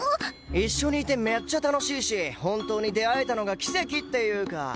一緒にいてめっちゃ楽しいし本当に出会えたのが奇跡っていうか。